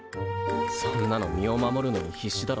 そんなの身を守るのに必死だろ。